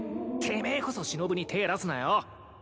てめえこそしのぶに手ぇ出すなよ。